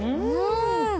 うん！